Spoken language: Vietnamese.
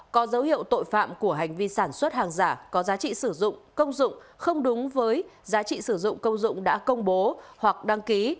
có dấu hiệu tội phạm của hành vi sản xuất hàng giả có giá trị sử dụng công dụng không đúng với giá trị sử dụng công dụng đã công bố hoặc đăng ký